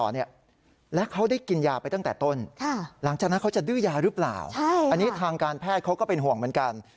อันนี้ทางการแพทย์เขาก็เป็นห่วงเหมือนกัน